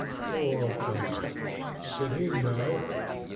Poor fellow, did he know?